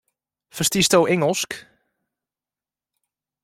Ferstiesto Ingelsk?